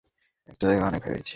এই জায়গাটার কথা অনেক ভেবেছি।